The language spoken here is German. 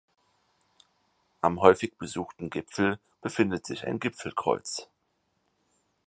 Am häufig besuchten Gipfel befindet sich ein Gipfelkreuz.